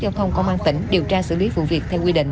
giao thông công an tỉnh điều tra xử lý vụ việc theo quy định